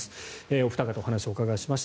お二方、お話をお伺いしました。